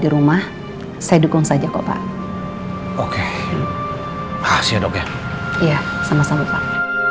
di rumah saya dukung saja kok pak ya kalau bapak rasa jessica lebih baik dirawat di rumah saya dukung saja kok pak